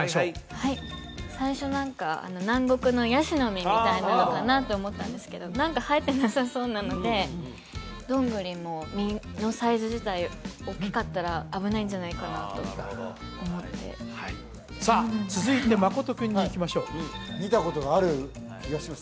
はい最初何か南国のヤシの実みたいなのかなって思ったんですけど何か生えてなさそうなのでどんぐりも実のサイズ自体おっきかったら危ないんじゃないかなと思ってさあ続いて真君にいきましょう見たことがある気がします